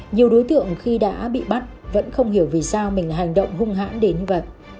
nhiều đối tượng khi đã bị bắt vẫn không hiểu vì sao mình là hành động hung hãn đến vật